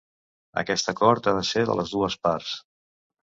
Aquest acord ha de ser de les dues parts.